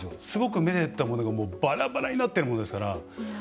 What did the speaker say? すごく、めでたものがバラバラになってるものですから。